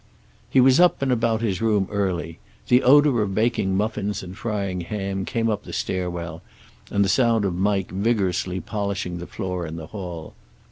He was up and about his room early. The odor of baking muffins and frying ham came up the stair well, and the sound of Mike vigorously polishing the floor in the hall.